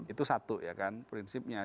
itu satu ya kan prinsipnya